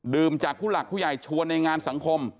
จากผู้หลักผู้ใหญ่ชวนในงานสังคม